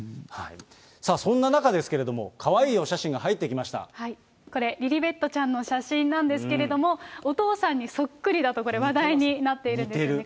さあそんな中ですけれども、これ、リリベットちゃんの写真なんですけれども、お父さんにそっくりだと、話題になっているんですね。